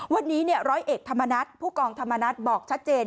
วันนี้ร้อยเอกธรรมนัฐผู้กองธรรมนัฐบอกชัดเจน